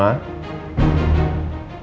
bapak dari javascript